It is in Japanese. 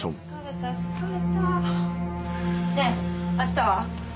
ねえ明日は？